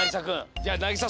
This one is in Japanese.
じゃあなぎさ